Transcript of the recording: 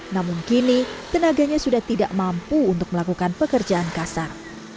namun kini tenaganya sudah tidak mampu untuk melakukan pekerjaan kasar